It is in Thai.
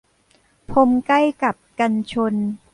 พรมใกล้กับกันชน